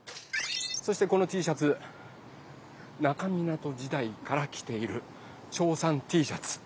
そしてこのＴシャツ那珂湊時代からきているチョーさんＴシャツ。